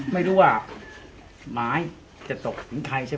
ไม่รู้ว่าไม้หมายจะทกกายนี้